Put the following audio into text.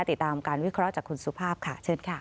ติดตามการวิเคราะห์จากคุณสุภาพค่ะเชิญค่ะ